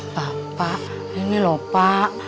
bapak ini lho pak